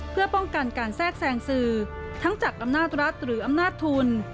เพื่อป้องกันการแทรกแทรงสื่อทั้งจากอำนาจรัฐหรืออำนาจทุน